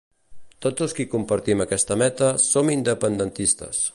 Tots els qui compartim aquesta meta som independentistes.